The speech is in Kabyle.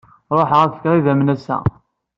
Ruḥeɣ ad fkeɣ idammen assa.